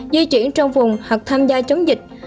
di chuyển trong vùng hoặc tham gia chống dịch